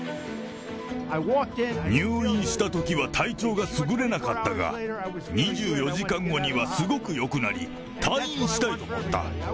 入院したときは体調がすぐれなかったが、２４時間後にはすごくよくなり、退院したいと思った。